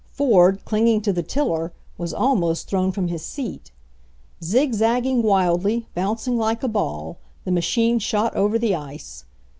Ford, clinging to the tiller, was almost thrown from his seat. Zig zagging wildly, bouncing like a ball, the machine shot over the ice.